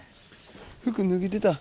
服脱げてた。